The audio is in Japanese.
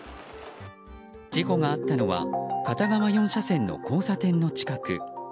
事故があったのは片側４車線の交差点の近く。